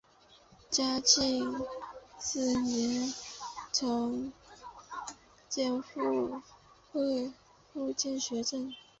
嘉庆四年出督福建学政。